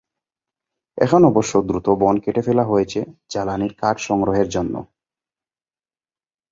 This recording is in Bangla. এখন অবশ্য দ্রুত বন কেটে ফেলা হয়েছে জ্বালানির কাঠ সংগ্রহের জন্য।